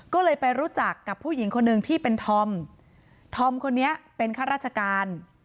ก็เลยไปรู้จักกับผู้หญิงคนหนึ่งที่เป็นธอมธอมคนนี้เป็นข้าราชการ